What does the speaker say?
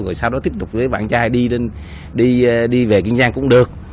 rồi sau đó tiếp tục với bạn trai đi về kiên giang cũng được